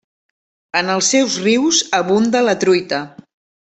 En els seus rius abunda la truita.